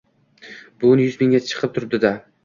bugun yuz mingga chiqib turibdi-da!